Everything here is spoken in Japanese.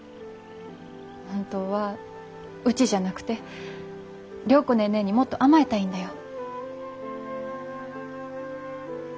本当はうちじゃなくて良子ネーネーにもっと甘えたいんだよ。